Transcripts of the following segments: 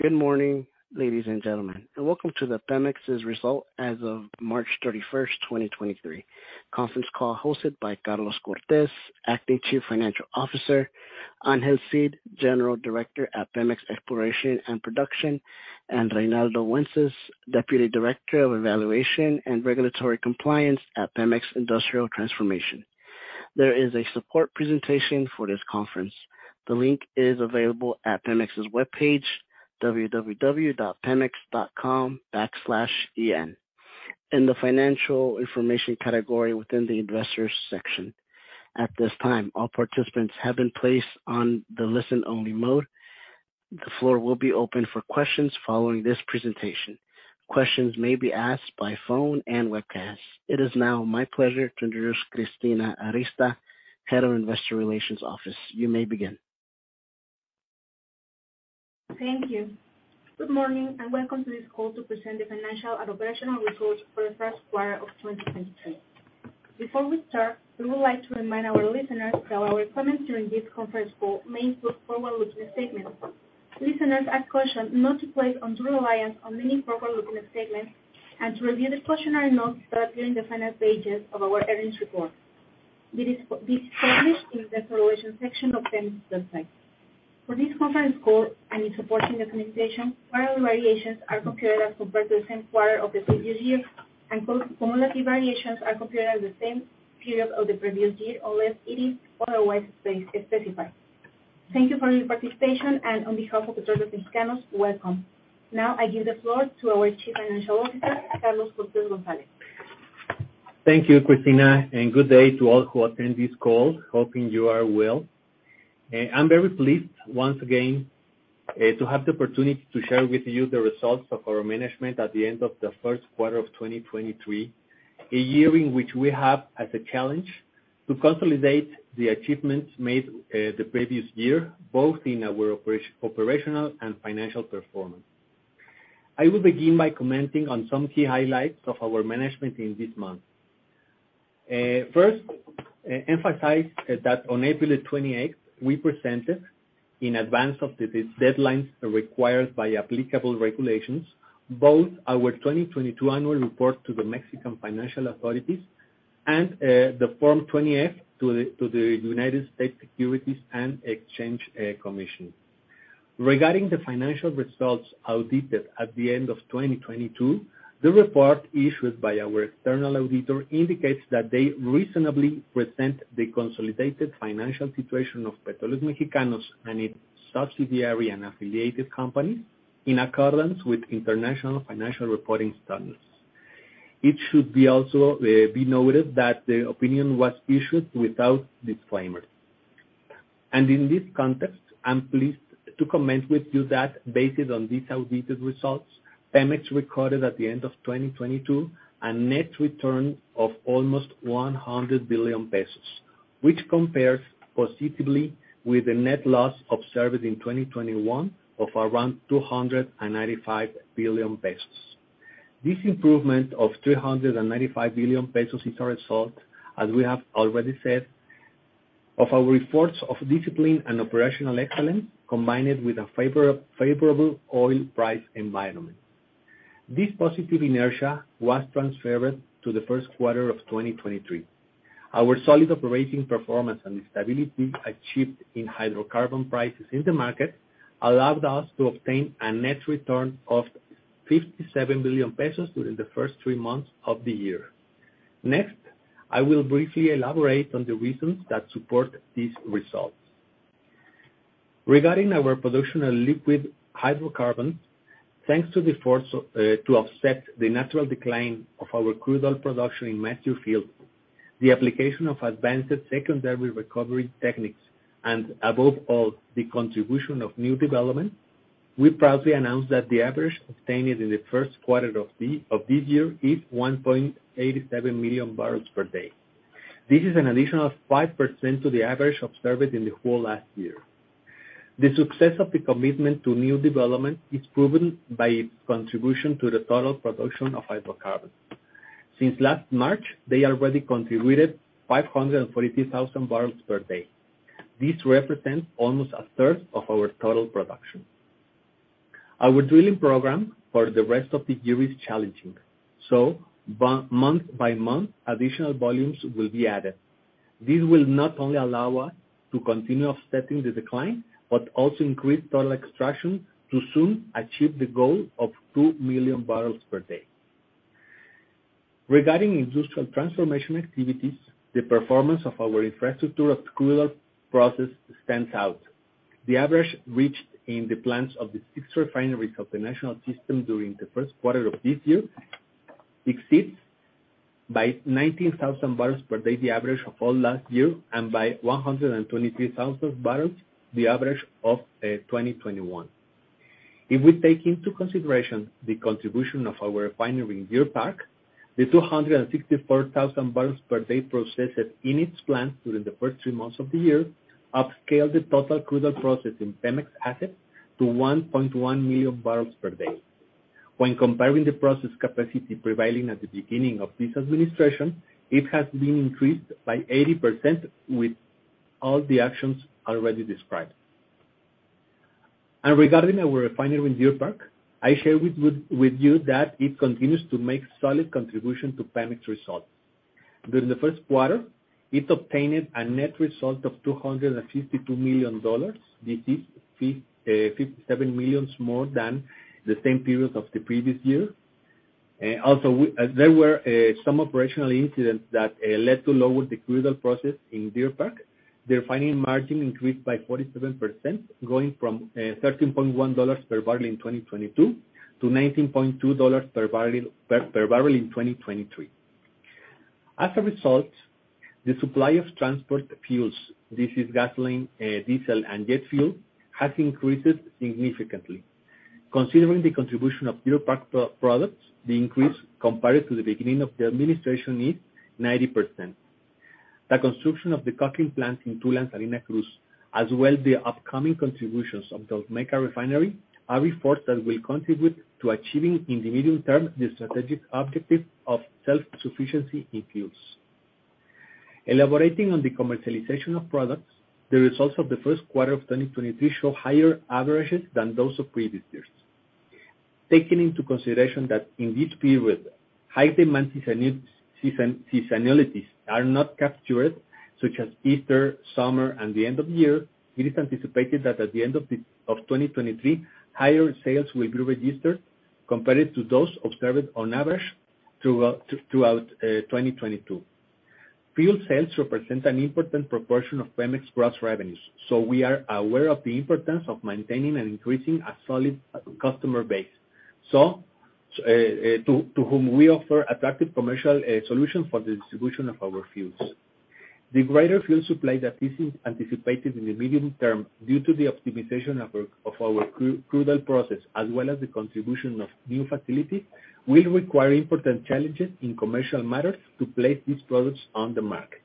Good morning, ladies and gentlemen, and welcome to the PEMEX's Result as of March 31, 2023 Conference call hosted by Carlos Cortez, Acting Chief Financial Officer, Ángel Cid, General Director at Pemex Exploración y Producción, and Reinaldo Wences, Deputy Director of Evaluation and Regulatory Compliance at Pemex Transformación Industrial. There is a support presentation for this conference. The link is available at PEMEX's webpage, www.pemex.com/en, in the financial information category within the investors section. At this time, all participants have been placed on the listen only mode. The floor will be open for questions following this presentation. Questions may be asked by phone and webcast. It is now my pleasure to introduce Cristina Arista, Head of Investor Relations Office. You may begin. Thank you. Good morning, welcome to this call to present the Financial and Operational Results for the First Quarter of 2023. Before we start, we would like to remind our listeners that our comments during this conference call may include forward-looking statements. Listeners are cautioned not to place undue reliance on any forward-looking statements and to review the cautionary notes that appear in the finance pages of our earnings report. This is published in the relations section of PEMEX website. For this conference call and its supporting documentation, while variations are compared as compared to the same quarter of the previous year, and cumulative variations are compared at the same period of the previous year, unless it is otherwise specified. Thank you for your participation, and on behalf of the board of Mexicanos, welcome. Now I give the floor to our Chief Financial Officer, Carlos Cortez González. Thank you, Christina, and good day to all who attend this call. Hoping you are well. I'm very pleased once again to have the opportunity to share with you the results of our management at the end of the first quarter of 2023, a year in which we have as a challenge to consolidate the achievements made the previous year, both in our operational and financial performance. I will begin by commenting on some key highlights of our management in this month. First, emphasize that on April 28, we presented in advance of the deadlines required by applicable regulations, both our 2022 Annual Report to the Mexican financial authorities and the Form 20-F to the United States Securities and Exchange Commission. Regarding the Financial Results audited at the end of 2022, the report issued by our external auditor indicates that they reasonably present the consolidated financial situation of Petroleos Mexicanos and its subsidiary and affiliated companies in accordance with International Financial Reporting Standards. It should be also be noted that the opinion was issued without disclaimers. In this context, I'm pleased to comment with you that based on these audited results, PEMEX recorded at the end of 2022, a net return of almost 100 billion pesos, which compares positively with the net loss observed in 2021 of around 295 billion pesos. This improvement of 395 billion pesos is a result, as we have already said, of our reports of discipline and operational excellence, combined with a favorable oil price environment. This positive inertia was transferred to the first quarter of 2023. Our solid operating performance and the stability achieved in hydrocarbon prices in the market allowed us to obtain a net return of 57 billion pesos within the first three months of the year. I will briefly elaborate on the reasons that support these results. Regarding our production of liquid hydrocarbons, thanks to the efforts to offset the natural decline of our crude oil production in mature fields, the application of advanced secondary recovery techniques, and above all, the contribution of new development, we proudly announce that the average obtained in the first quarter of this year is 1.87 million barrels per day. This is an additional 5% to the average observed in the whole last year. The success of the commitment to new development is proven by its contribution to the total production of hydrocarbons. Since last March, they already contributed 543,000 barrels per day. This represents almost a third of our total production. Our drilling program for the rest of the year is challenging, month by month, additional volumes will be added. This will not only allow us to continue offsetting the decline but also increase total extraction to soon achieve the goal of two million barrels per day. Regarding industrial transformation activities, the performance of our infrastructure of crude oil process stands out. The average reached in the plants of the six refineries of the national system during the first quarter of this year exceeds by 19,000 barrels per day, the average of all last year, and by 123,000 barrels, the average of 2021. If we take into consideration the contribution of our refinery in Deer Park, the 264,000 barrels per day processed in its plant during the first three months of the year upscaled the total crude oil processed in PEMEX assets to 1.1 million barrels per day. When comparing the process capacity prevailing at the beginning of this administration, it has been increased by 80% with all the actions already described. Regarding our refinery in Deer Park, I share with you that it continues to make solid contribution to PEMEX results. During the first quarter, it obtained a net result of $252 million. This is $57 million more than the same period of the previous year. There were some operational incidents that led to lower the crude oil process in Deer Park. The refining margin increased by 47%, going from $13.1 per barrel in 2022 to $19.2 per barrel in 2023. As a result, the supply of transport fuels, this is gasoline, diesel, and jet fuel, has increased significantly. Considering the contribution of Deer Park products, the increase compared to the beginning of the administration is 90%. The construction of the coking plant in Tula and Salinas Cruz, as well the upcoming contributions of the Olmeca Refinery, are efforts that will contribute to achieving in the medium term the strategic objective of self-sufficiency in fuels. Elaborating on the commercialization of products, the results of the first quarter of 2023 show higher averages than those of previous years. Taking into consideration that in this period, high demand seasonalities are not captured, such as Easter, summer, and the end of year, it is anticipated that at the end of 2023, higher sales will be registered compared to those observed on average throughout 2022. Fuel sales represent an important proportion of PEMEX gross revenues. We are aware of the importance of maintaining and increasing a solid customer base, to whom we offer attractive commercial solutions for the distribution of our fuels. The greater fuel supply that is anticipated in the medium term due to the optimization of our crude oil process as well as the contribution of new facilities, will require important challenges in commercial matters to place these products on the market.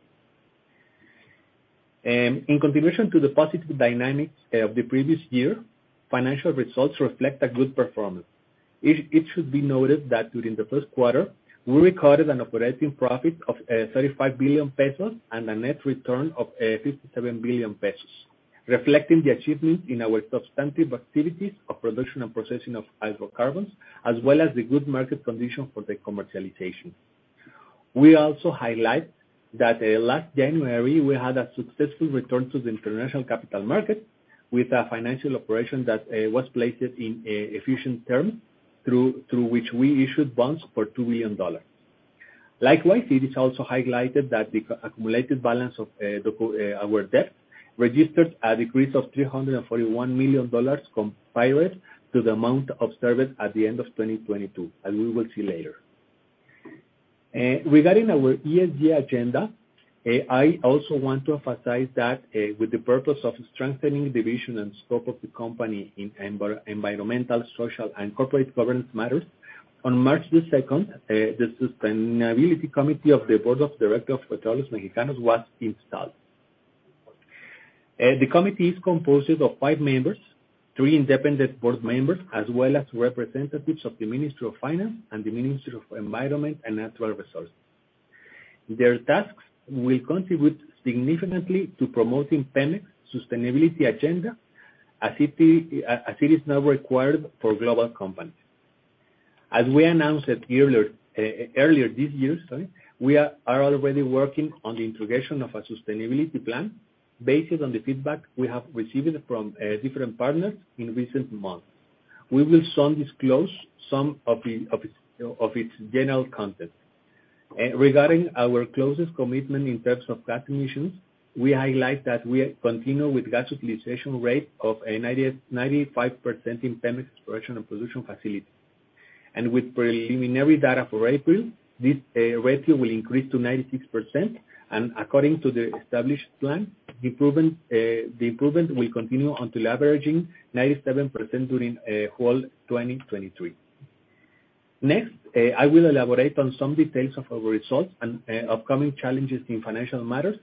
In continuation to the positive dynamics of the previous year, financial results reflect a good performance. It should be noted that during the first quarter, we recorded an operating profit of 35 billion pesos and a net return of 57 billion pesos, reflecting the achievement in our substantive activities of production and processing of hydrocarbons, as well as the good market condition for the commercialization. We also highlight that last January, we had a successful return to the international capital market with a financial operation that was placed in efficient terms through which we issued bonds for $2 billion. It is also highlighted that the accumulated balance of our debt registered a decrease of $341 million compared to the amount observed at the end of 2022, as we will see later. Regarding our ESG agenda, I also want to emphasize that, with the purpose of strengthening the vision and scope of the company in environmental, social, and corporate governance matters, on March 2, the Sustainability Committee of the Board of Directors of Petroleos Mexicanos was installed. The committee is composed of 5 members, 3 independent board members, as well as representatives of the Ministry of Finance and the Ministry of Environment and Natural Resources. Their tasks will contribute significantly to promoting PEMEX' sustainability agenda as it is now required for global companies. As we announced it earlier this year, sorry, we are already working on the integration of a sustainability plan based on the feedback we have received from different partners in recent months. We will soon disclose some of its general content. Regarding our closest commitment in terms of gas emissions, we highlight that we continue with gas utilization rate of 90-95% in PEMEX exploration and production facilities. With preliminary data for April, this ratio will increase to 96%, and according to the established plan, the improvement will continue until averaging 97% during whole 2023. Next, I will elaborate on some details of our results and upcoming challenges in financial matters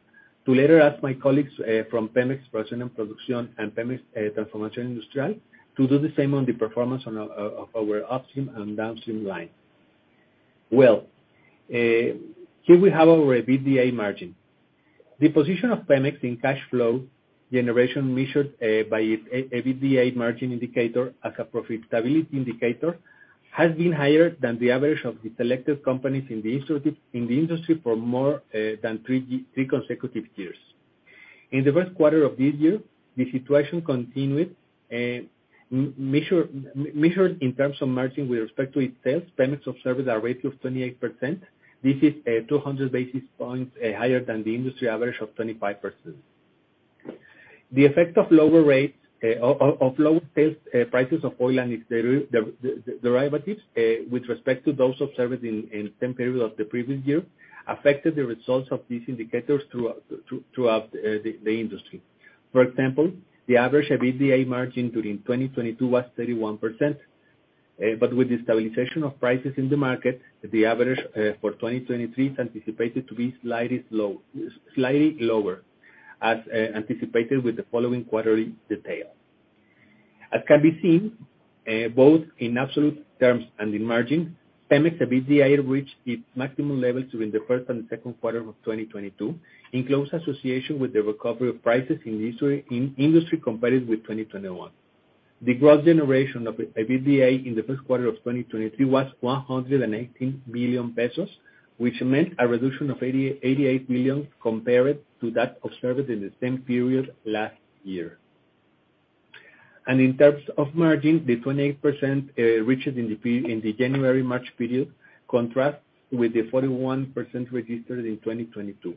to later ask my colleagues from PEMEX Produccion y Transportacion Industrial to do the same on the performance of our upstream and downstream line. Here we have our EBITDA margin. The position of PEMEX in cash flow generation measured by its EBITDA margin indicator as a profitability indicator has been higher than the average of the selected companies in the industry for more than three consecutive years. In the first quarter of this year, the situation continued, measured in terms of margin with respect to its sales, PEMEX observed a ratio of 28%. This is 200 basis points higher than the industry average of 25%. The effect of lower rates of low sales prices of oil and its derivatives, with respect to those observed in same period of the previous year, affected the results of these indicators throughout the industry. For example, the average EBITDA margin during 2022 was 31%. With the stabilization of prices in the market, the average for 2023 is anticipated to be slightly lower. As anticipated with the following quarterly detail. As can be seen, both in absolute terms and in margin, Pemex EBITDA reached its maximum level during the first and second quarter of 2022, in close association with the recovery of prices in the industry compared with 2021. The gross generation of EBITDA in the first quarter of 2023 was 118 million pesos, which meant a reduction of 88 million compared to that observed in the same period last year. In terms of margin, the 28% reached in the January-March period contrast with the 41% registered in 2022.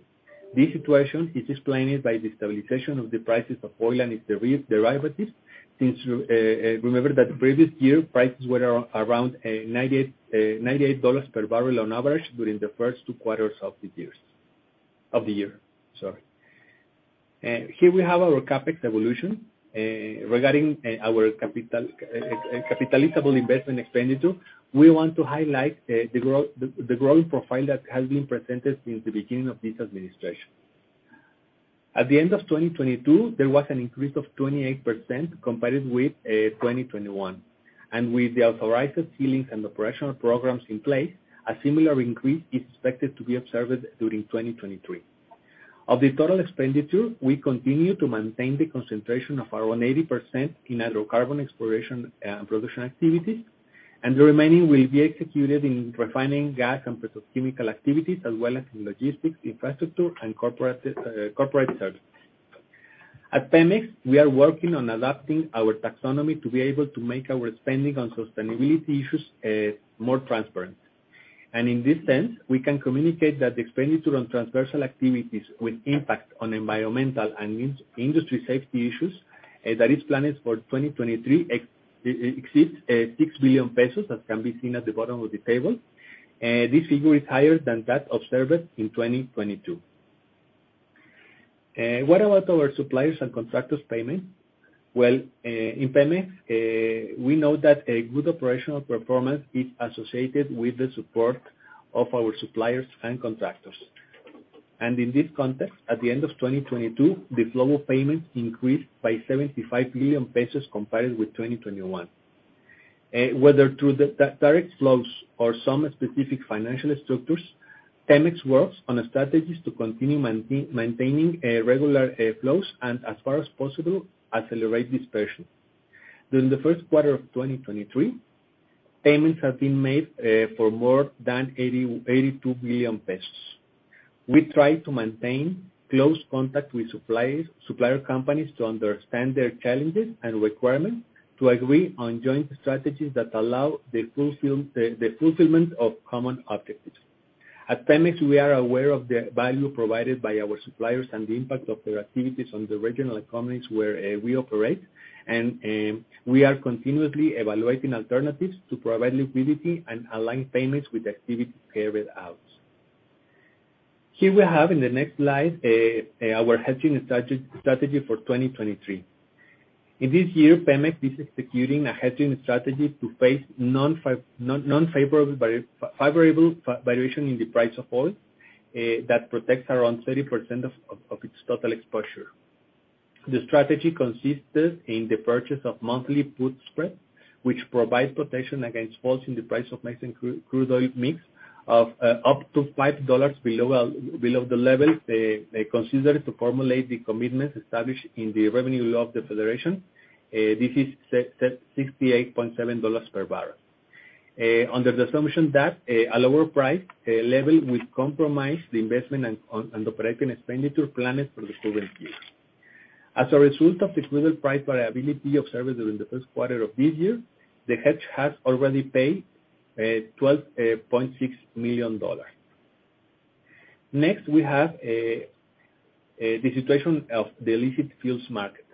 This situation is explained by the stabilization of the prices of oil and its derivatives, since remember that the previous year prices were around $98 per barrel on average during the first two quarters of the year, sorry. Here we have our CapEx evolution. Regarding our capitalizable investment expenditure, we want to highlight the growing profile that has been presented since the beginning of this administration. At the end of 2022, there was an increase of 28% compared with 2021. With the authorized ceilings and operational programs in place, a similar increase is expected to be observed during 2023. Of the total expenditure, we continue to maintain the concentration of around 80% in hydrocarbon exploration and production activities, and the remaining will be executed in refining gas and petrochemical activities, as well as in logistics, infrastructure, and corporate services. At PEMEX, we are working on adapting our taxonomy to be able to make our spending on sustainability issues, more transparent. In this sense, we can communicate that expenditure on transversal activities with impact on environmental and industry safety issues, that is planned for 2023 exceed, six billion pesos, as can be seen at the bottom of the table. This figure is higher than that observed in 2022. What about our suppliers and contractors' payment? Well, in PEMEX, we know that a good operational performance is associated with the support of our suppliers and contractors. In this context, at the end of 2022, the flow of payments increased by 75 million pesos compared with 2021. Whether through the direct flows or some specific financial structures, Pemex works on a strategies to continue maintaining regular flows and, as far as possible, accelerate disbursements. During the first quarter of 2023, payments have been made for more than 82 million pesos. We try to maintain close contact with suppliers, supplier companies to understand their challenges and requirements to agree on joint strategies that allow the fulfillment of common objectives. At Pemex, we are aware of the value provided by our suppliers and the impact of their activities on the regional economies where we operate. We are continuously evaluating alternatives to provide liquidity and align payments with activity carried out. Here we have in the next slide, our hedging strategy for 2023. In this year, Pemex is executing a hedging strategy to face non-favorable variation in the price of oil that protects around 30% of its total exposure. The strategy consisted in the purchase of monthly put spread, which provides protection against falls in the price of Mexican crude oil mix of up to $5 below the level they consider to formulate the commitments established in the Revenue Law of the Federation. This is $68.7 per barrel. Under the assumption that a lower price level will compromise the investment and operating expenditure planned for the current year. As a result of this little price variability observed during the first quarter of this year, the hedge has already paid $12.6 million. Next, we have the situation of the illicit fuels market.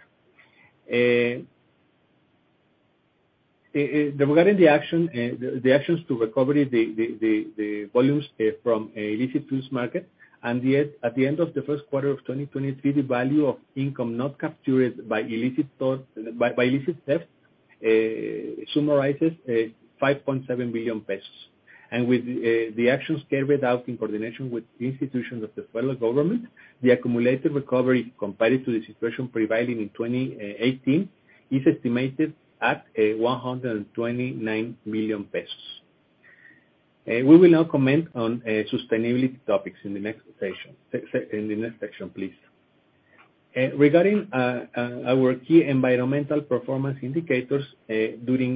Regarding the actions to recovery the volumes from illicit fuels market and yet at the end of the first quarter of 2023, the value of income not captured by illicit theft summarizes 5.7 billion pesos. With the actions carried out in coordination with institutions of the federal government, the accumulated recovery compared to the situation prevailing in 2018 is estimated at 129 million pesos. We will now comment on sustainability topics in the next section. In the next section, please. Regarding our key environmental performance indicators, during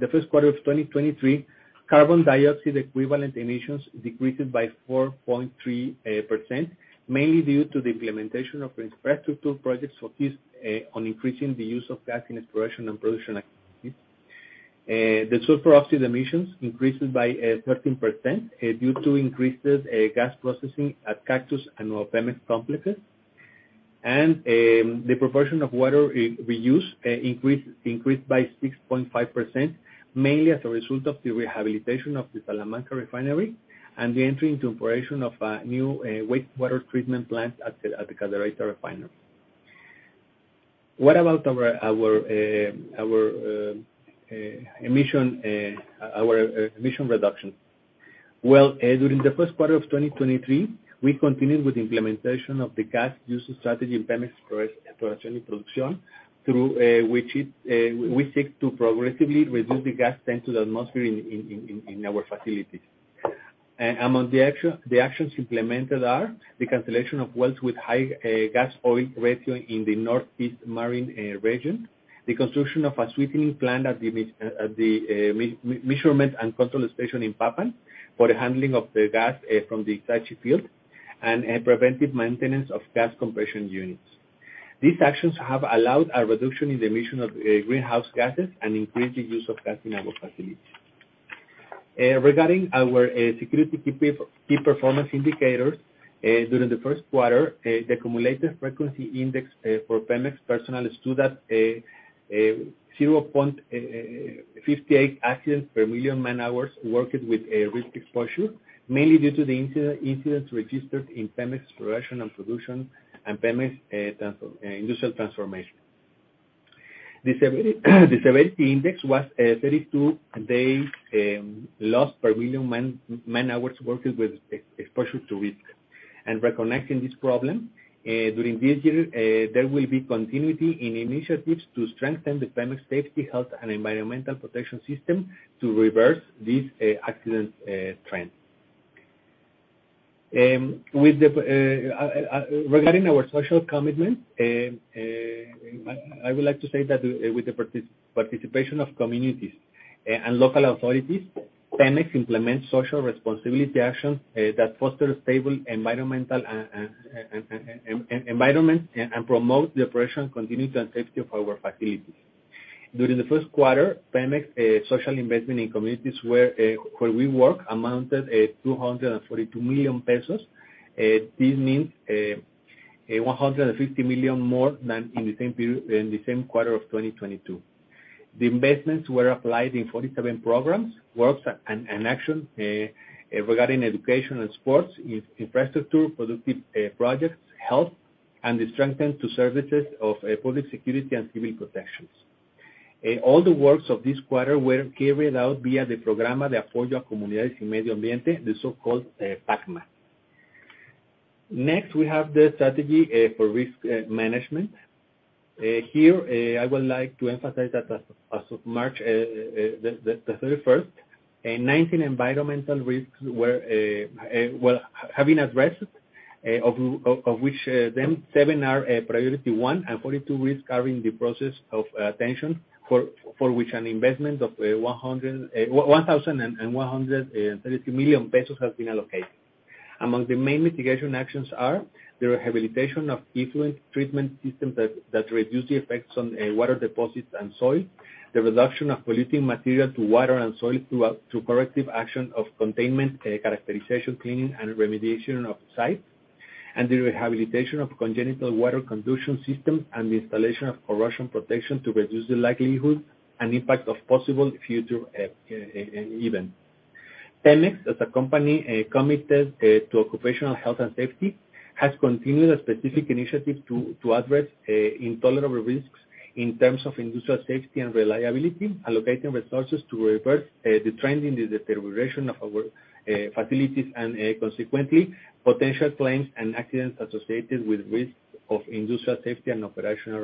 the first quarter of 2023, carbon dioxide equivalent emissions decreased by 4.3%, mainly due to the implementation of infrastructure projects focused on increasing the use of gas in exploration and production activities. The sulfur oxide emissions increased by 13% due to increased gas processing at Cactus and our PEMEX complexes. The proportion of water we use increased by 6.5%, mainly as a result of the rehabilitation of the Salamanca Refinery and the entry into operation of a new wastewater treatment plant at the Cadereyta Refinery. What about our emission reduction? Well, during the first quarter of 2023, we continued with the implementation of the gas usage strategy in Pemex Exploración y Producción, through which we seek to progressively reduce the gas sent to the atmosphere in our facilities. Among the actions implemented are: the cancellation of wells with high gas-oil ratio in the Northeast Marine region; the construction of a sweetening plant at the measurement and control station in Papantla for the handling of the gas from the Ixachi field; and preventive maintenance of gas compression units. These actions have allowed a reduction in the emission of greenhouse gases and increased the use of gas in our facilities. Regarding our security key performance indicators, during the first quarter, the cumulative frequency index for PEMEX personnel stood at 0.58 accidents per million man-hours worked with a risk exposure, mainly due to the incidents registered in PEMEX Exploration and Production and PEMEX Industrial Transformation. The severity index was 32 days lost per million man-hours working with exposure to risk. Recognizing this problem, during this year, there will be continuity in initiatives to strengthen the PEMEX safety, health, and environmental protection system to reverse this accident trend. With the regarding our social commitment, I would like to say that with the participation of communities and local authorities, Pemex implements social responsibility actions that foster stable environmental and environment and promote the operation continuity and safety of our facilities. During the first quarter, Pemex social investment in communities where we work amounted 242 million pesos. This means 150 million more than in the same quarter of 2022. The investments were applied in 47 programs, works and action regarding education and sports in infrastructure, productive projects, health, and the strengthen to services of public security and civil protections. All the works of this quarter were carried out via the Programa de Apoyo a Comunidades y Medio Ambiente, the so-called PACMA. Next, we have the strategy for risk management. Here, I would like to emphasize that as of March 31, 19 environmental risks were addressed, of which seven are priority one, and 42 risks are in the process of attention, for which an investment of 101,130 million pesos has been allocated. Among the main mitigation actions are the rehabilitation of effluent treatment systems that reduce the effects on water deposits and soil, the reduction of polluting material to water and soil through corrective action of containment, characterization, cleaning, and remediation of sites, and the rehabilitation of congenital water conduction systems and the installation of corrosion protection to reduce the likelihood and impact of possible future events. Pemex, as a company committed to occupational health and safety, has continued a specific initiative to address intolerable risks in terms of industrial safety and reliability, allocating resources to reverse the trend in the deterioration of our facilities and, consequently, potential claims and accidents associated with risks of industrial safety and operational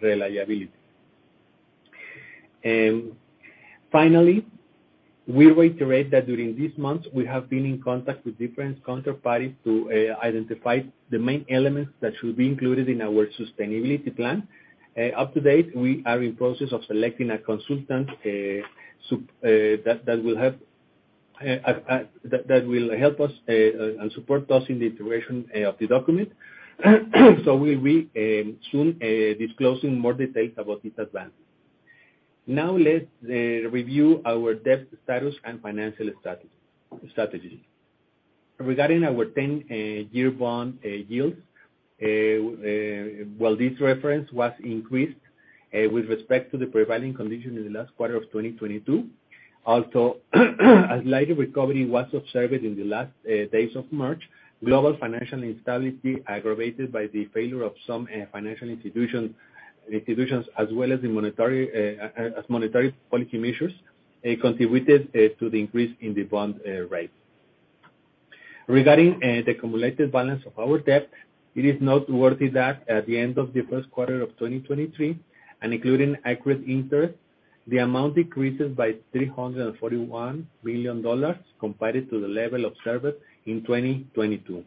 reliability. Finally, we reiterate that during this month, we have been in contact with different counterparties to identify the main elements that should be included in our sustainability plan. Up to date, we are in process of selecting a consultant that will help us and support us in the iteration of the document. We soon disclosing more details about this advance. Now let's review our debt status and financial strategy. Regarding our 10-year bond yields, well, this reference was increased with respect to the prevailing condition in the last quarter of 2022. A slight recovery was observed in the last days of March. Global financial instability aggravated by the failure of some financial institutions, as well as the monetary policy measures, contributed to the increase in the bond rate. Regarding the cumulative balance of our debt, it is noteworthy that at the end of the first quarter of 2023, and including accurate interest, the amount decreases by $341 million compared to the level observed in 2022.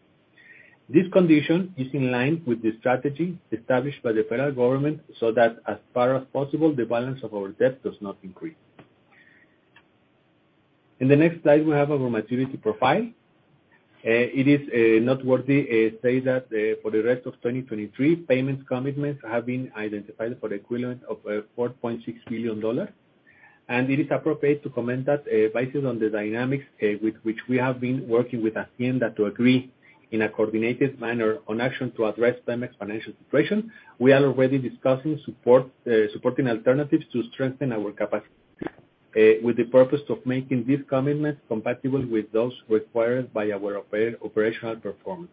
This condition is in line with the strategy established by the federal government so that as far as possible, the balance of our debt does not increase. In the next slide, we have our maturity profile. It is noteworthy that for the rest of 2023, payments commitments have been identified for the equivalent of $4.6 billion. It is appropriate to comment that, based on the dynamics, with which we have been working with Hacienda to agree in a coordinated manner on action to address Pemex's financial situation, we are already discussing support, supporting alternatives to strengthen our capacity. With the purpose of making this commitment compatible with those required by our operational performance.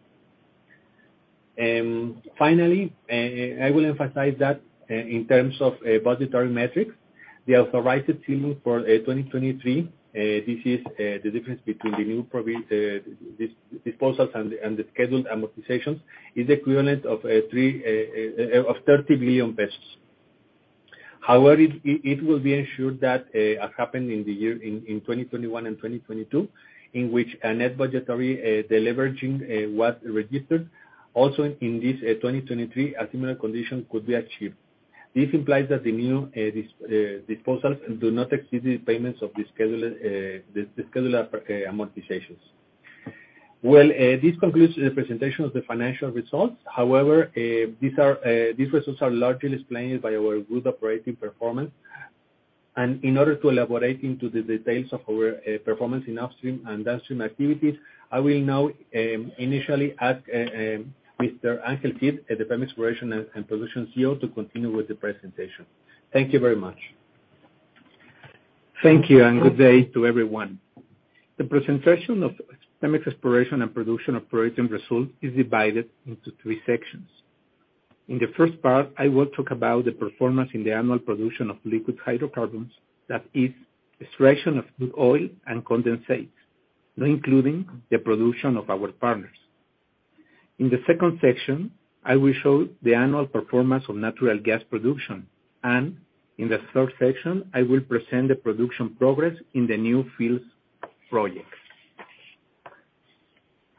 Finally, I will emphasize that in terms of budgetary metrics, the authorized team for 2023, this is the difference between the new provision, disposals and the, and the scheduled amortizations, is equivalent of 30 billion pesos. However, it will be ensured that, as happened in the year, in 2021 and 2022, in which a net budgetary deleveraging was registered, also in this 2023, a similar condition could be achieved. This implies that the new disposals do not exceed the payments of the scheduler amortizations. Well, this concludes the presentation of the financial results. However, these results are largely explained by our good operating performance. In order to elaborate into the details of our performance in upstream and downstream activities, I will now initially ask Mr. Angel Cid tentation. Thank you very much. Thank you. Good day to everyone. The presentation of PEMEX Exploration and Production operating results is divided into three sections. In the first part, I will talk about the performance in the annual production of liquid hydrocarbons, that is extraction of crude oil and condensate, not including the production of our partners. In the second section, I will show the annual performance of natural gas production. In the third section, I will present the production progress in the new fields projects.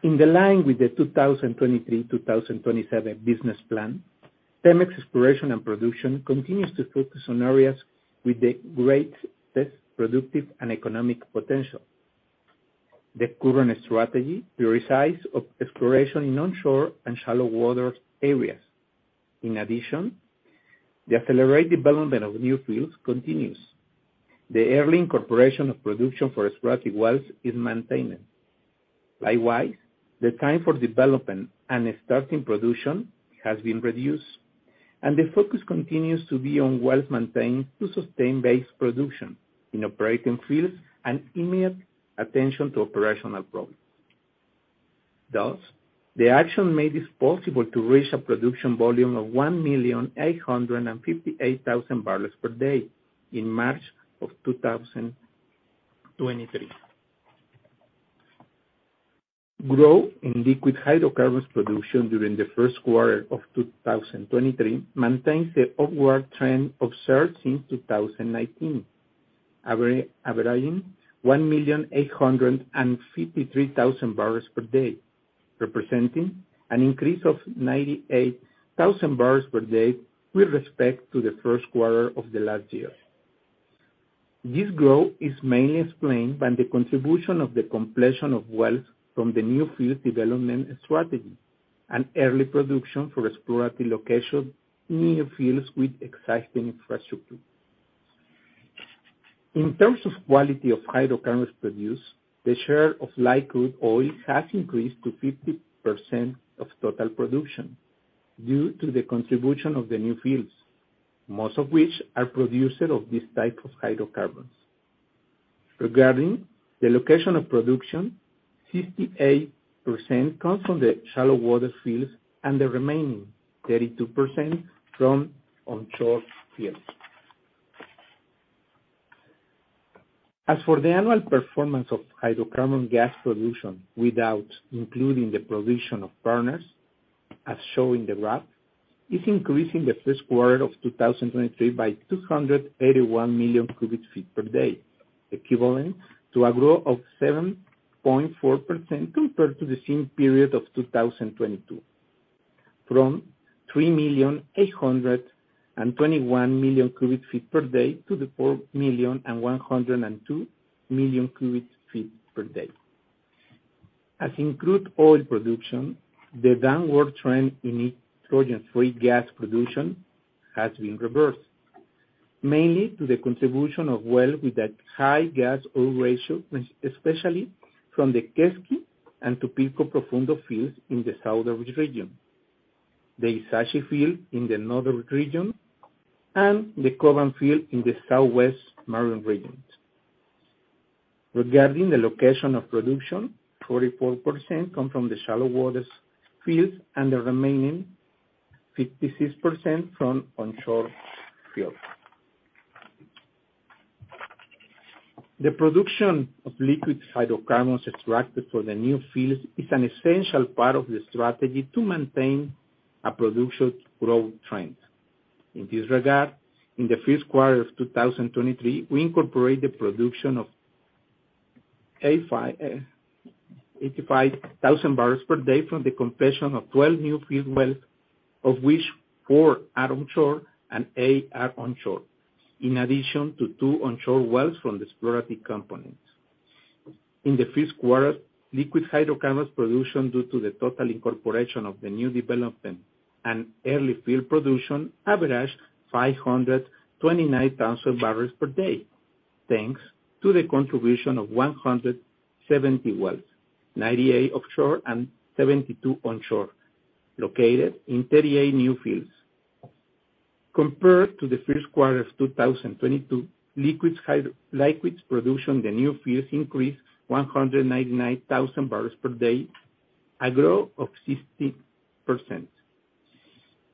In the line with the 2023, 2027 business plan, PEMEX Exploration and Production continues to focus on areas with the greatest productive and economic potential. The current strategy to resize of exploration in onshore and shallow water areas. In addition, the accelerated development of new fields continues. The early incorporation of production for exploratory wells is maintained. Likewise, the time for development and starting production has been reduced, and the focus continues to be on wells maintained to sustain base production in operating fields and immediate attention to operational problems. Thus, the action made is possible to reach a production volume of 1,858,000 barrels per day in March 2023. Growth in liquid hydrocarbons production during the first quarter of 2023 maintains the upward trend observed since 2019, averaging 1,853,000 barrels per day, representing an increase of 98,000 barrels per day with respect to the first quarter of the last year. This growth is mainly explained by the contribution of the completion of wells from the new field development strategy and early production for exploratory location near fields with existing infrastructure. In terms of quality of hydrocarbons produced, the share of light crude oil has increased to 50% of total production due to the contribution of the new fields, most of which are producer of this type of hydrocarbons. Regarding the location of production, 58% comes from the shallow water fields and the remaining 32% from onshore fields. As for the annual performance of hydrocarbon gas production, without including the provision of partners, as shown in the graph, it increased in the first quarter of 2023 by 281 million cubic feet per day, equivalent to a growth of 7.4% compared to the same period of 2022, from 3,821 million cubic feet per day to the 4,102 million cubic feet per day. As in crude oil production, the downward trend in nitrogen free gas production has been reversed, mainly to the contribution of wells with a high gas-oil ratio, especially from the Quesqui and Tupilco Profundo fields in the southern region, the Ixachi field in the northern region, and the Coban field in the southwest marine region. Regarding the location of production, 44% come from the shallow waters fields and the remaining 56% from onshore fields. The production of liquid hydrocarbons extracted from the new fields is an essential part of the strategy to maintain a production growth trend. In this regard, in the first quarter of 2023, we incorporated the production of 85,000 barrels per day from the completion of 12 new field wells, of which 4 are offshore and 8 are onshore, in addition to 2 onshore wells from exploratory components. In the first quarter, liquid hydrocarbons production, due to the total incorporation of the new development and early field production, averaged 529,000 barrels per day, thanks to the contribution of 170 wells, 98 offshore and 72 onshore, located in 38 new fields. Compared to the first quarter of 2022, liquids production, the new fields increased 199,000 barrels per day, a growth of 60%.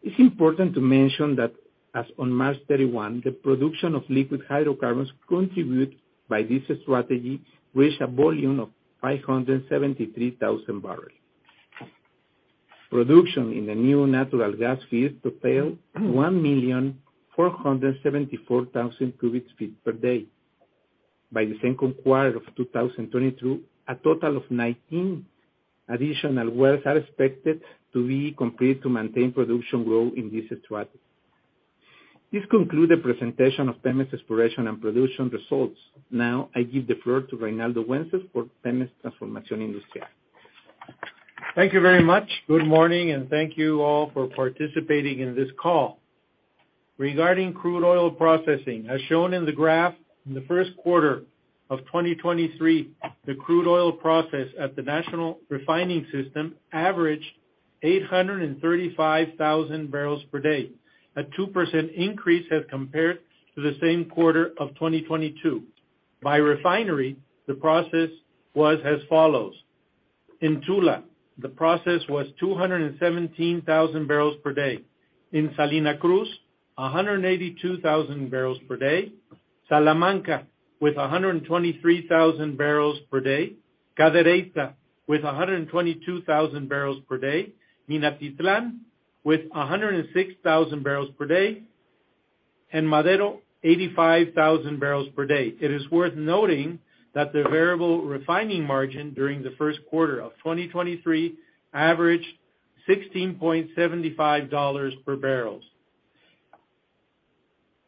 It's important to mention that as on March 31, the production of liquid hydrocarbons contribute by this strategy, reached a volume of 573,000 barrels. Production in the new natural gas fields propelled 1,474,000 cubic feet per day. By the second quarter of 2022, a total of 19 additional wells are expected to be completed to maintain production growth in this strategy. This conclude the presentation of PEMEX Exploration and Production results. Now I give the floor to Reynaldo Wences for PEMEX Industrial Transformation. Thank you very much. Good morning, thank you all for participating in this call. Regarding crude oil processing, as shown in the graph, in the first quarter of 2023, the crude oil process at the national refining system averaged 835,000 barrels per day, a 2% increase as compared to the same quarter of 2022. By refinery, the process was as follows: In Tula, the process was 217,000 barrels per day. In Salina Cruz, 182,000 barrels per day. Salamanca with 123,000 barrels per day. Cadereyta with 122,000 barrels per day. Minatitlan with 106,000 barrels per day, and Madero, 85,000 barrels per day. It is worth noting that the variable refining margin during the first quarter of 2023 averaged $16.75 per barrels.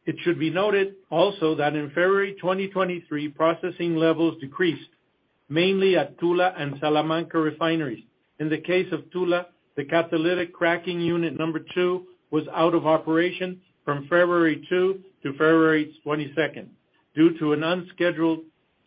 It should be noted also that in February 2023, processing levels decreased, mainly at Tula and Salamanca refineries. In the case of Tula, the catalytic cracking unit number two was out of operation from February 2 to February 22nd due to an unscheduled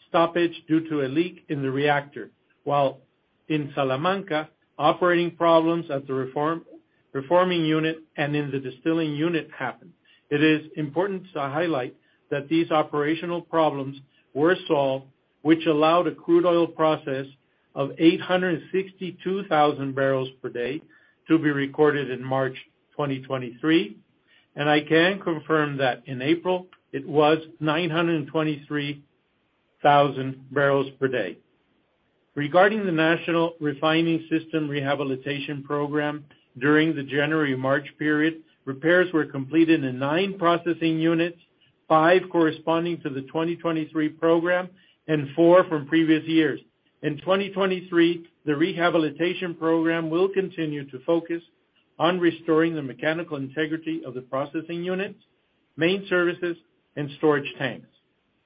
stoppage due to a leak in the reactor, while in Salamanca, operating problems at the reforming unit and in the distilling unit happened. It is important to highlight that these operational problems were solved, which allowed a crude oil process of 862,000 barrels per day to be recorded in March 2023. I can confirm that in April, it was 923,000 barrels per day. Regarding the national refining system rehabilitation program, during the January-March period, repairs were completed in nine processing units, five corresponding to the 2023 program and four from previous years. In 2023, the rehabilitation program will continue to focus on restoring the mechanical integrity of the processing units, main services, and storage tanks.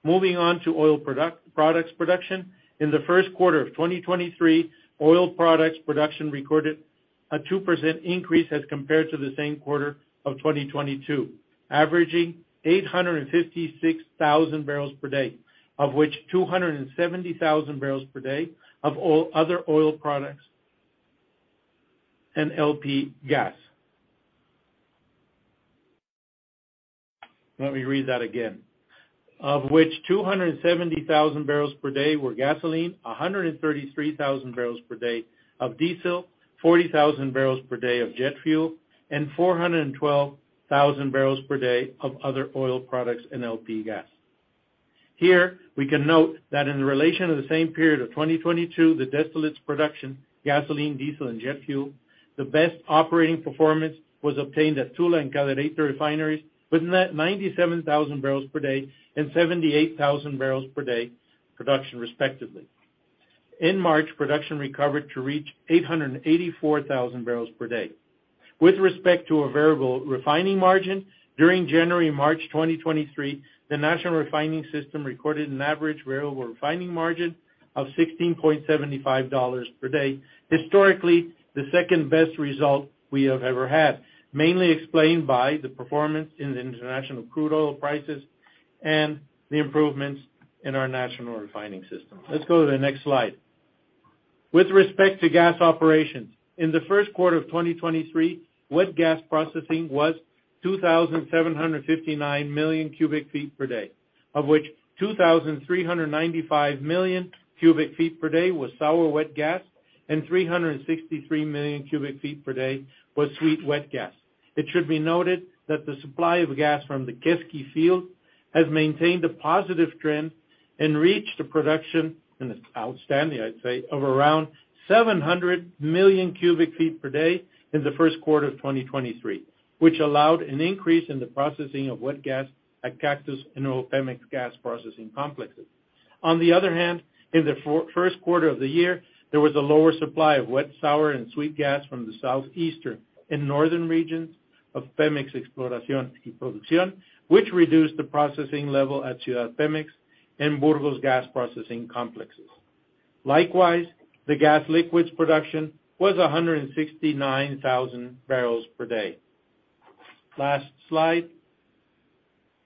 Moving on to oil products production. In the first quarter of 2023, oil products production recorded a 2% increase as compared to the same quarter of 2022, averaging 856,000 barrels per day, of which 270,000 barrels per day of other oil products and LP gas. Let me read that again. Of which 270,000 barrels per day were gasoline, 133,000 barrels per day of diesel, 40,000 barrels per day of jet fuel, and 412,000 barrels per day of other oil products and LP gas. Here, we can note that in relation to the same period of 2022, the distillates production, gasoline, diesel, and jet fuel, the best operating performance was obtained at Tula and Cadereyta refineries, with net 97,000 barrels per day and 78,000 barrels per day production respectively. In March, production recovered to reach 884,000 barrels per day. With respect to a variable refining margin, during January-March 2023, the national refining system recorded an average variable refining margin of $16.75 per day. Historically, the second-best result we have ever had, mainly explained by the performance in the international crude oil prices and the improvements in our national refining system. Let's go to the next slide. With respect to gas operations, in the first quarter of 2023, wet gas processing was 2,759 million cubic feet per day, of which 2,395 million cubic feet per day was sour wet gas and 363 million cubic feet per day was sweet wet gas. It should be noted that the supply of gas from the Quesqui field has maintained a positive trend and reached a production, it's outstanding, I'd say, of around 700 million cubic feet per day in the first quarter of 2023, which allowed an increase in the processing of wet gas at Cactus and all PEMEX gas processing complexes. In the first quarter of the year, there was a lower supply of wet sour and sweet gas from the southeastern and northern regions of Pemex Exploración y Producción, which reduced the processing level at Ciudad Pemex and Burgos gas processing complexes. The gas liquids production was 169,000 barrels per day. Last slide.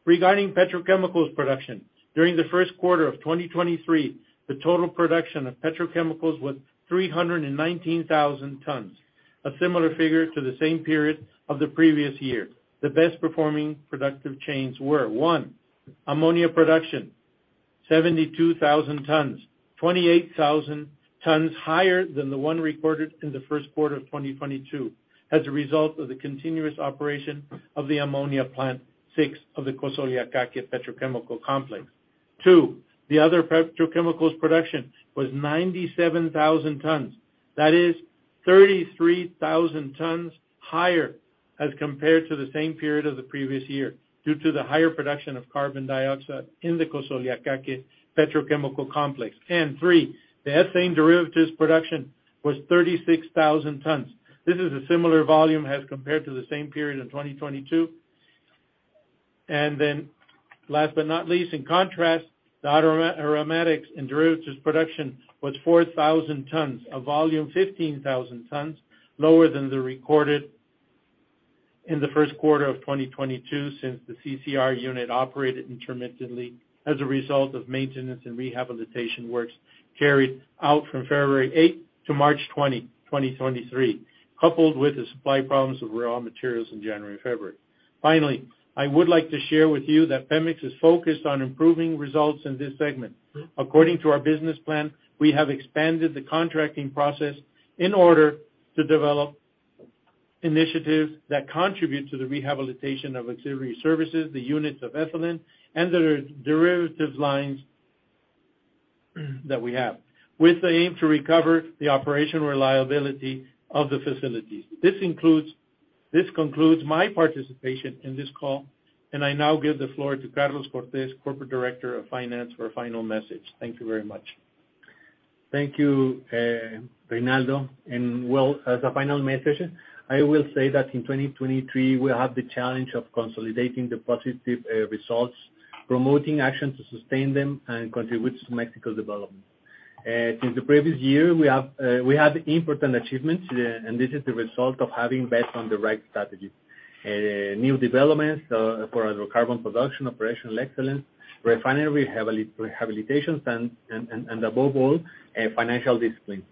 Regarding petrochemicals production, during the first quarter of 2023, the total production of petrochemicals was 319,000 tons, a similar figure to the same period of the previous year. The best performing productive chains were, one, ammonia production, 72,000 tons. 28,000 tons higher than the one recorded in the first quarter of 2022 as a result of the continuous operation of the ammonia plant 6 of the Cosoleacaque Petrochemical Complex. Two, the other petrochemicals production was 97,000 tons. That is 33,000 tons higher as compared to the same period of the previous year due to the higher production of carbon dioxide in the Cosoleacaque Petrochemical Complex. Three, the ethane derivatives production was 36,000 tons. This is a similar volume as compared to the same period in 2022. Last but not least, in contrast, the aromatics and derivatives production was 4,000 tons, a volume 15,000 tons lower than the recorded in the first quarter of 2022 since the CCR unit operated intermittently as a result of maintenance and rehabilitation works carried out from February eighth to March 20, 2023, coupled with the supply problems of raw materials in January and February. Finally, I would like to share with you that Pemex is focused on improving results in this segment. According to our business plan, we have expanded the contracting process in order to develop initiatives that contribute to the rehabilitation of auxiliary services, the units of ethylene, and the de-derivatives lines that we have, with the aim to recover the operation reliability of the facilities. This concludes my participation in this call, and I now give the floor to Carlos Cortez, Corporate Director of Finance, for a final message. Thank you very much. Thank you, Reynaldo. Well, as a final message, I will say that in 2023, we have the challenge of consolidating the positive results, promoting action to sustain them and contributes to Mexico's development. Since the previous year, we have, we had important achievements, and this is the result of having bet on the right strategies. New developments for our carbon production, operational excellence, refinery rehabilitations, and above all, financial discipline.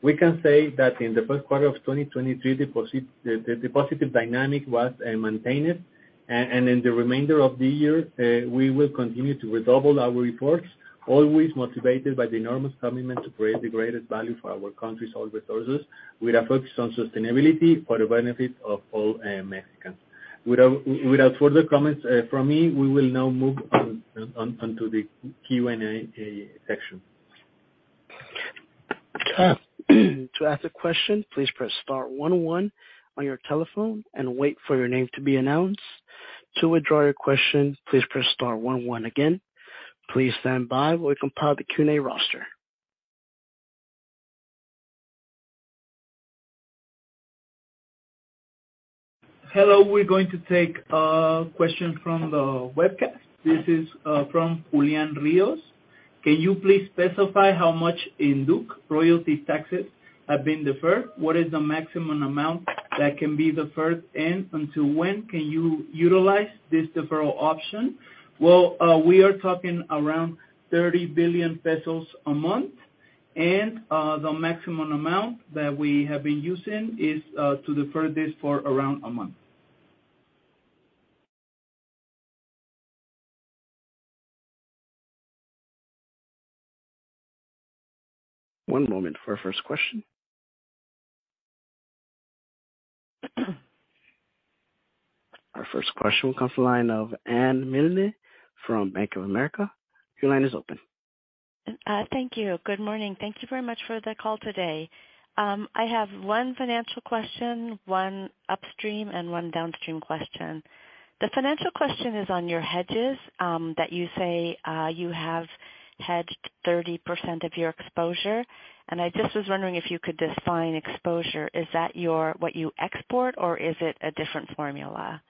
We can say that in the first quarter of 2023, the positive dynamic was maintained and in the remainder of the year, we will continue to redouble our efforts, always motivated by the enormous commitment to create the greatest value for our country's oil resources with a focus on sustainability for the benefit of all Mexicans. Without further comments from me, we will now move on to the Q&A section. To ask a question, please press star one one on your telephone and wait for your name to be announced. To withdraw your question, please press star one one again. Please stand by while we compile the Q&A roster. Hello. We're going to take a question from the webcast. This is from Julian Rios. Can you please specify how much in DUC royalty taxes have been deferred? What is the maximum amount that can be deferred, and until when can you utilize this deferral option? We are talking around 30 billion pesos a month. The maximum amount that we have been using is to defer this for around a month. One moment for our first question. Our first question will come from the line of Anne Milne from Bank of America. Your line is open. Thank you. Good morning. Thank you very much for the call today. I have one financial question, one upstream, and one downstream question. The financial question is on your hedges that you say you have hedged 30% of your exposure. I just was wondering if you could define exposure. Is that what you export, or is it a different formula?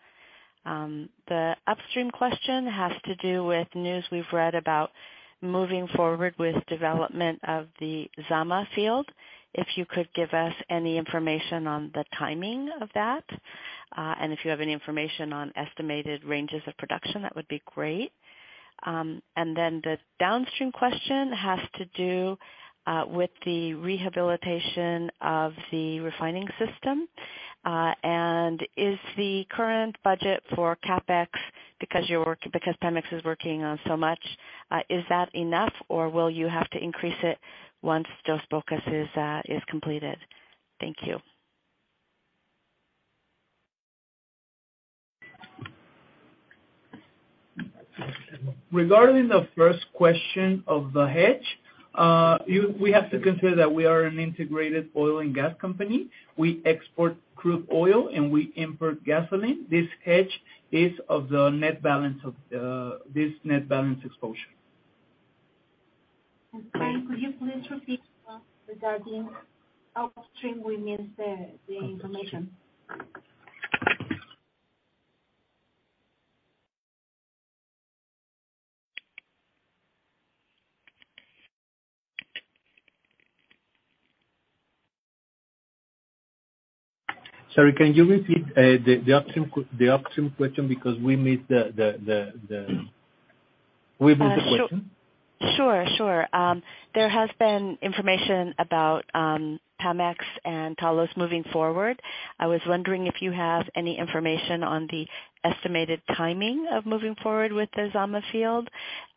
The upstream question has to do with news we've read about moving forward with development of the Zama field. If you could give us any information on the timing of that, and if you have any information on estimated ranges of production, that would be great. The downstream question has to do with the rehabilitation of the refining system. Is the current budget for CapEx because Pemex is working on so much, is that enough, or will you have to increase it once Dos Bocas is completed? Thank you. Regarding the first question of the hedge, we have to consider that we are an integrated oil and gas company. We export crude oil. We import gasoline. This hedge is of the net balance of this net balance exposure. Could you please repeat regarding upstream? We missed the information. Sorry, can you repeat, the upstream question because we missed the... We missed the question. Sure. There has been information about Pemex and Talos moving forward. I was wondering if you have any information on the estimated timing of moving forward with the Zama field,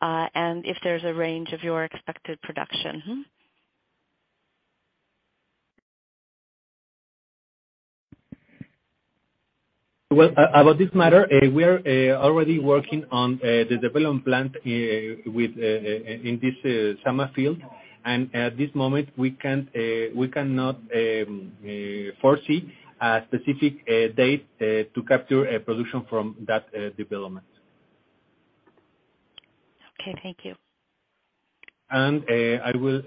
and if there's a range of your expected production. Well, about this matter, we are already working on the development plan with in this Zama field. At this moment, we cannot foresee a specific date to capture production from that development. Okay. Thank you. I will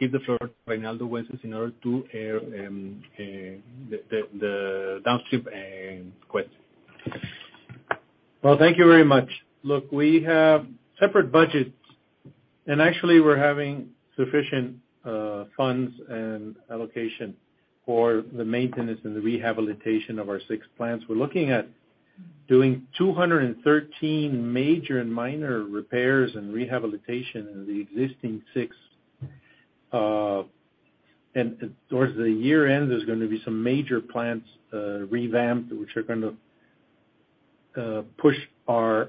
give the floor to Reynaldo Wences in order to the downstream question. Well, thank you very much. Look, we have separate budgets, actually we're having sufficient funds and allocation for the maintenance and the rehabilitation of our six plants. We're looking at doing 213 major and minor repairs and rehabilitation in the existing six. Towards the year end, there's going to be some major plants revamped, which are going to push our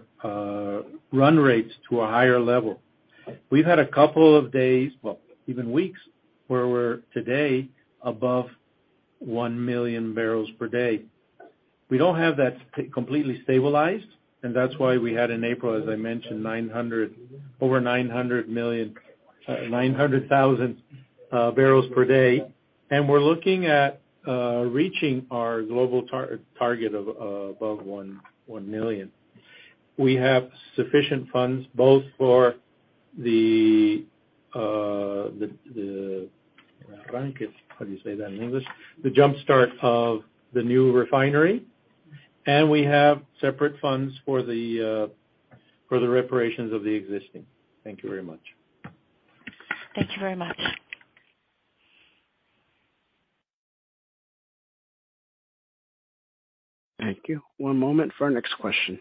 run rates to a higher level. We've had a couple of days, well, even weeks, where we're today above one million barrels per day. We don't have that completely stabilized, and that's why we had in April, as I mentioned, over 900,000 barrels per day. We're looking at reaching our global target of above one million. We have sufficient funds both for the. How do you say that in English? The jump start of the new refinery. We have separate funds for the for the reparations of the existing. Thank you very much. Thank you very much. Thank you. One moment for our next question.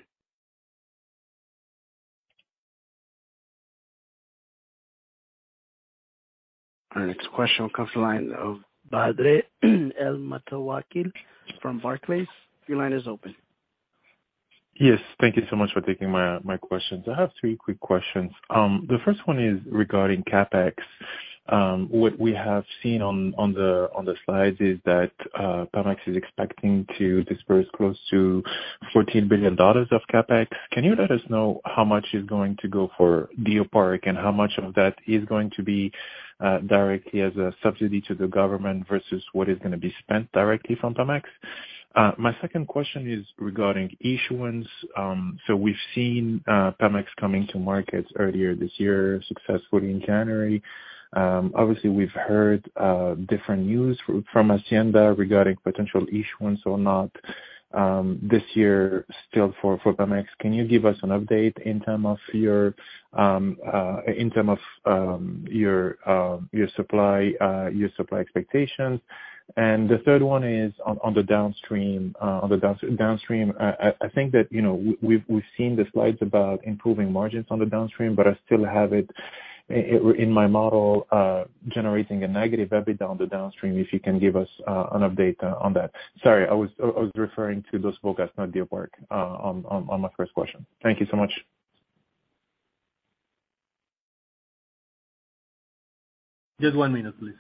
Our next question comes to the line of Badr El Moutawakil from Barclays. Your line is open. Yes. Thank you so much for taking my questions. I have three quick questions. The first one is regarding CapEx. What we have seen on the slides is that Pemex is expecting to disperse close to $14 billion of CapEx. Can you let us know how much is going to go for Deer Park and how much of that is going to be directly as a subsidy to the government versus what is gonna be spent directly from Pemex? My second question is regarding issuance. We've seen Pemex coming to markets earlier this year successfully in January. Obviously we've heard different news from Hacienda regarding potential issuance or not this year still for Pemex. Can you give us an update in term of your your supply expectations? The third one is on the downstream. On the downstream, I think that, you know, we've seen the slides about improving margins on the downstream, but I still have it in my model generating a negative EBITDA on the downstream, if you can give us an update on that. Sorry, I was referring to Dos Bocas, not Deer Park, on my first question. Thank you so much. Just 1 minute, please.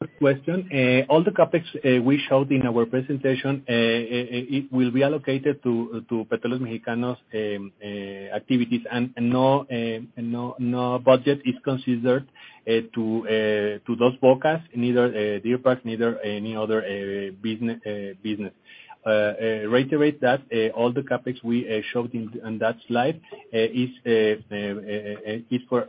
Good question. All the CapEx we showed in our presentation, it will be allocated to Petroleos Mexicanos activities and no budget is considered to Dos Bocas neither Deer Park, neither any other business. Reiterate that all the CapEx we showed in on that slide is for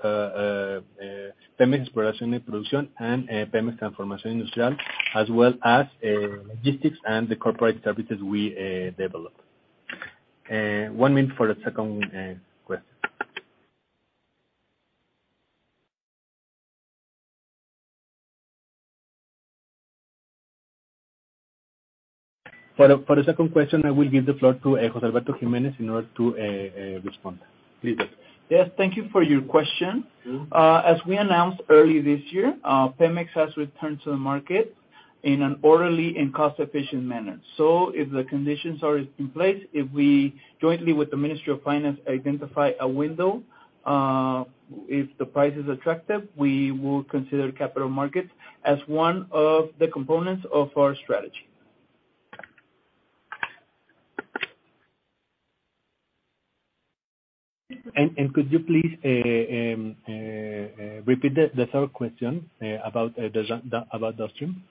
PEMEX Exploration and Production and Pemex Transformacion Industrial, as well as logistics and the corporate services we developed. One minute for the second question. For the second question, I will give the floor to Jose Alberto Jimenez in order to respond. Please do. Yes. Thank you for your question. As we announced early this year, Pemex has returned to the market in an orderly and cost-efficient manner. If the conditions are in place, if we jointly with the Ministry of Finance identify a window, if the price is attractive, we will consider capital markets as one of the components of our strategy. Could you please repeat the third question about downstream?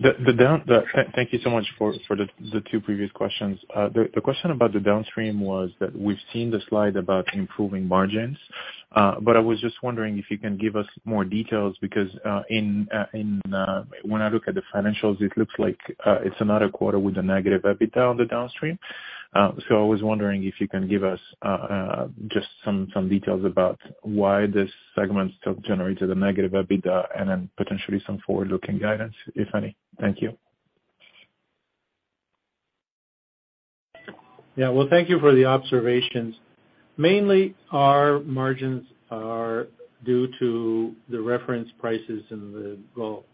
Thank you so much for the two previous questions. The question about the downstream was that we've seen the slide about improving margins. I was just wondering if you can give us more details because when I look at the financials, it looks like it's another quarter with a negative EBITDA on the downstream. I was wondering if you can give us just some details about why this segment still generated a negative EBITDA and then potentially some forward-looking guidance, if any. Thank you. Well, thank you for the observations. Mainly, our margins are due to the reference prices in the Gulf,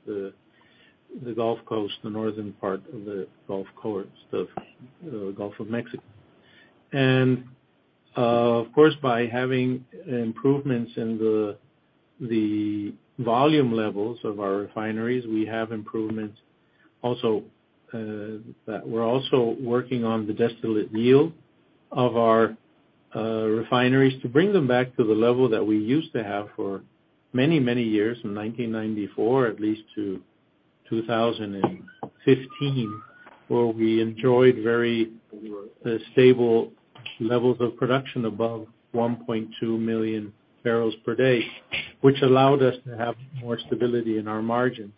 the Gulf Coast, the northern part of the Gulf Coast of Gulf of Mexico. Of course, by having improvements in the volume levels of our refineries, we have improvements also that we're also working on the distillate yield of our refineries to bring them back to the level that we used to have for many, many years from 1994 at least to 2015, where we enjoyed very stable levels of production above 1.2 million barrels per day, which allowed us to have more stability in our margins.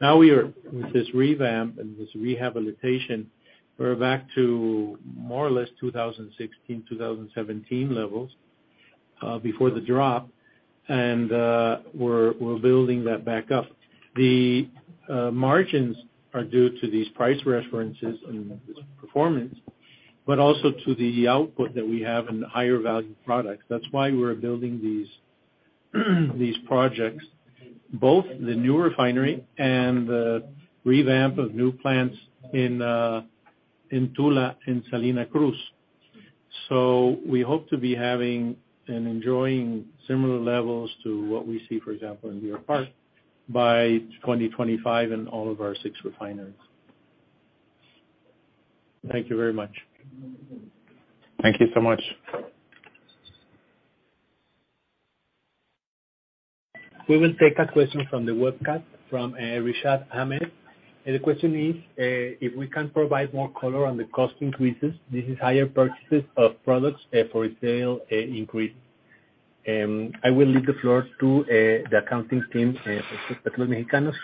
Now we are, with this revamp and this rehabilitation, we're back to more or less 2016, 2017 levels before the drop, and we're building that back up. The margins are due to these price references in this performance, but also to the output that we have in the higher value products. That's why we're building these projects, both the new refinery and the revamp of new plants in Tula and Salina Cruz. We hope to be having and enjoying similar levels to what we see, for example, in Deer Park by 2025 in all of our 6 refineries. Thank you very much. Thank you so much. We will take a question from the webcast from Rishad Ahmed. The question is if we can provide more color on the cost increases. This is higher purchases of products for sale increase. I will leave the floor to the accounting team, Petróleos Mexicanos.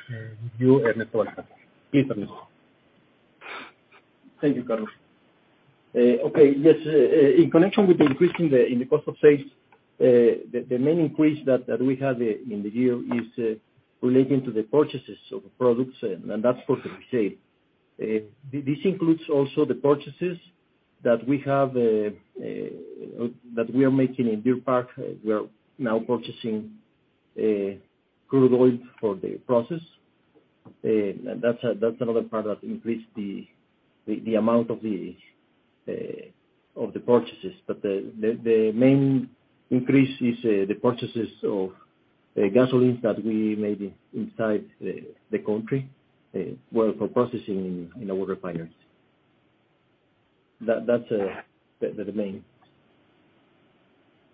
Thank you, Carlos. Okay. Yes, in connection with the increase in the cost of sales, the main increase that we had in the year is relating to the purchases of products, that's what we say. This includes also the purchases that we have that we are making in Deer Park. We are now purchasing crude oil for the process. That's another product increase the amount of the purchases. The main increase is the purchases of gasoline that we made inside the country, well, for processing in our refineries. That's the main.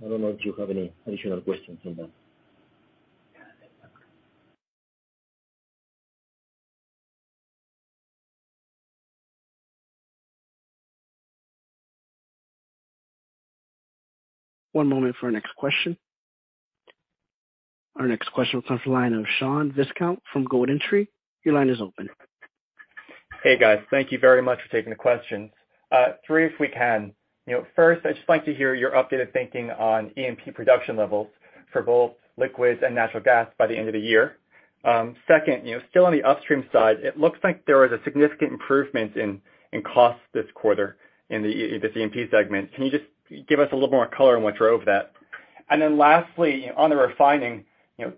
I don't know if you have any additional questions on that. One moment for our next question. Our next question comes from line of Sean Wys-Ketcham from GoldenTree. Your line is open. Hey, guys. Thank you very much for taking the questions three, if we can. You know, first, I'd just like to hear your updated thinking on E&P production levels for both liquids and natural gas by the end of the year. Second, you know, still on the upstream side, it looks like there was a significant improvement in cost this quarter in the E&P segment. Can you just give us a little more color on what drove that? Lastly, on the refining, you know,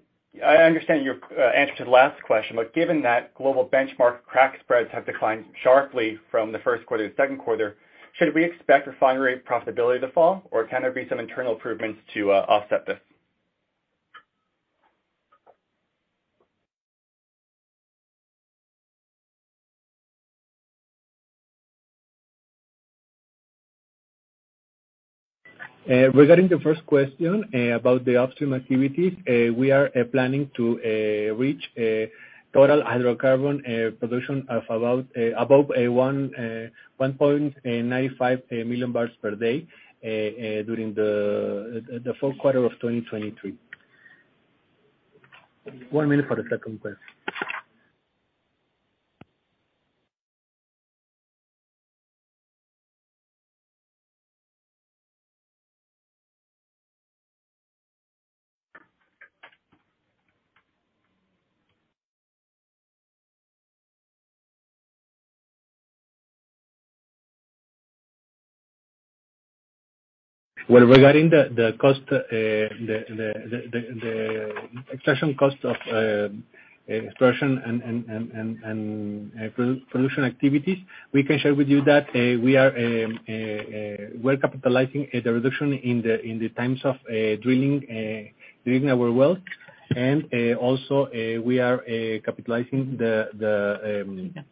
I understand your answer to the last question, given that global benchmark crack spreads have declined sharply from the first quarter to second quarter, should we expect refinery profitability to fall, or can there be some internal improvements to offset this? Regarding the first question about the upstream activities, we are planning to reach a total hydrocarbon production above 1.95 million barrels per day during the full quarter of 2023. 1 minute for the second question. Regarding the extraction cost of extraction and production activities, we can share with you that we are well capitalizing the reduction in the times of drilling our wells. Also, we are capitalizing the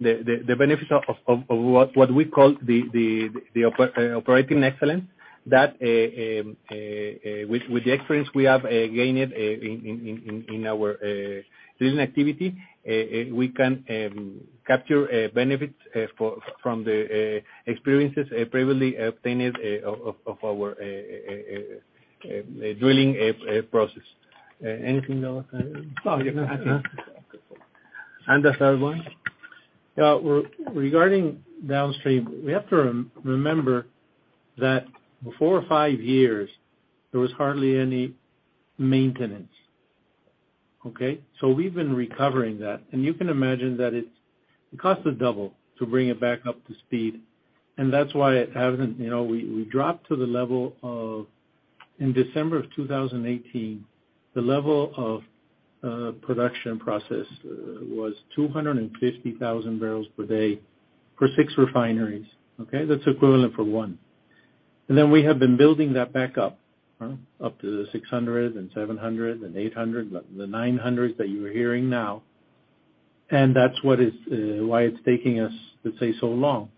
benefit of what we call the operating excellence that with the experience we have gained in our drilling activity, we can capture benefits from the experiences previously obtained of our drilling process. Anything else? No, you can answer. The third one? Yeah. Regarding downstream, we have to remember that before five years there was hardly any maintenance. Okay? We've been recovering that. You can imagine that it costs a double to bring it back up to speed, and that's why it hasn't, you know, we dropped to the level of. In December of 2018, the level of production process was 250,000 barrels per day for six refineries. Okay? That's equivalent for one. We have been building that back up to the 600, 700, 800, the 900 that you are hearing now. That's what is why it's taking us, let's say, so long.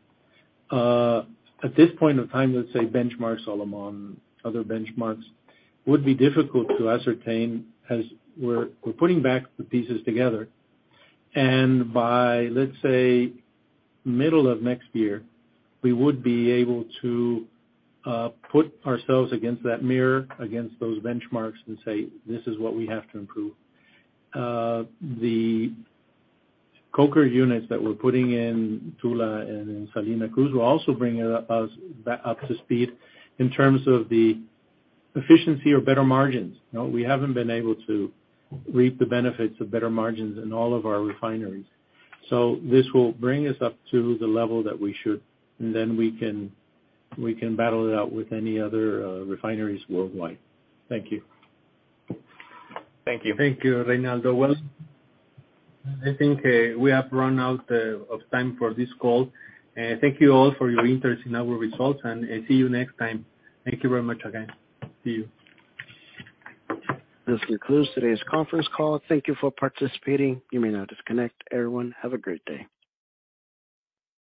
At this point of time, let's say Benchmark Solomon, other benchmarks would be difficult to ascertain as we're putting back the pieces together. By, let's say, middle of next year, we would be able to put ourselves against that mirror, against those benchmarks and say, "This is what we have to improve." The coker units that we're putting in Tula and in Salina Cruz will also bring us back up to speed in terms of the efficiency or better margins. You know, we haven't been able to reap the benefits of better margins in all of our refineries. This will bring us up to the level that we should, and then we can battle it out with any other refineries worldwide. Thank you. Thank you. Thank you, Reynaldo. Well, I think, we have run out of time for this call. Thank you all for your interest in our results. See you next time. Thank you very much again. See you. This concludes today's conference call. Thank you for participating. You may now disconnect. Everyone, have a great day.